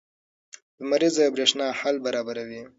لمریزه برېښنا حل برابروي.